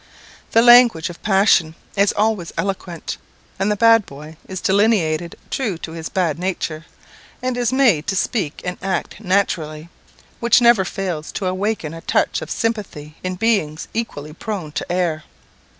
The language of passion is always eloquent, and the bad boy is delineated true to his bad nature, and is made to speak and act naturally, which never fails to awaken a touch of sympathy in beings equally prone to err.